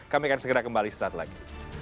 kami akan segera kembali sesaat lagi